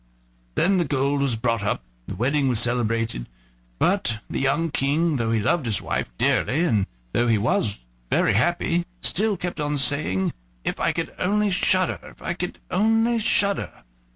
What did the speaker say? Then the gold was brought up, and the wedding was celebrated, but the young King, though he loved his wife dearly, and though he was very happy, still kept on saying: "If I could only shudder! if I could only shudder!"